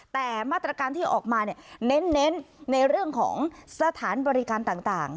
แต่มาตรการที่ออกมาเน้นในเรื่องของสถานบริการต่าง